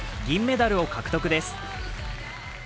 銀メダルを獲得です。